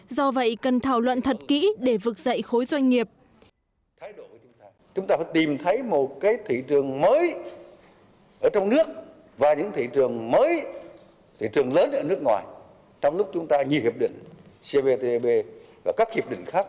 do vậy cần thảo luận thật kỹ để vực dậy khối doanh nghiệp